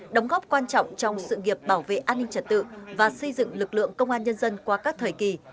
đóng góp quan trọng trong sự nghiệp bảo vệ an ninh trật tự và xây dựng lực lượng công an nhân dân qua các thời kỳ